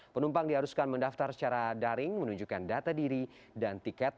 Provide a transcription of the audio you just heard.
penumpang diharuskan mendaftar secara daring menunjukkan data diri dan tiket